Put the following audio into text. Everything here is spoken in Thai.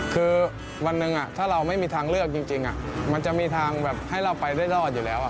คือวันหนึ่งถ้าเราไม่มีทางเลือกจริงมันจะมีทางแบบให้เราไปได้รอดอยู่แล้ว